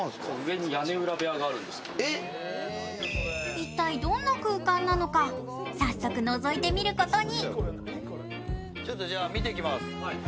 一体どんな空間なのか早速のぞいてみることに。